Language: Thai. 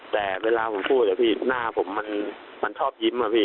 แต่เวลาผมพูดเพื่อน่าผมมันชอบยิ้ม